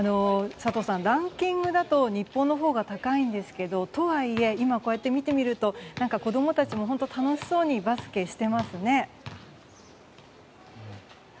佐藤さん、ランキングだと日本のほうが高いんですけどとはいえ、今こうやって見てみると子供たちも楽しそうにバスケしてますね。